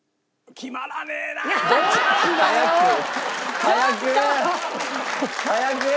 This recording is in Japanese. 決まらねえなこれ！